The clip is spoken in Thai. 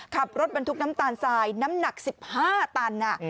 ขับรถบรรทุกน้ำตาลสายน้ำหนักสิบห้าตันอ่ะ